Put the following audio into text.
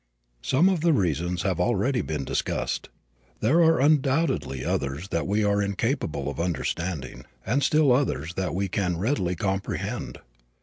Some of the reasons have already been discussed. There are undoubtedly others that we are incapable of understanding, and still others that we can readily comprehend.